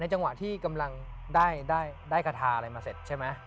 จังหวะที่กำลังได้คาทาอะไรมาเสร็จใช่ไหม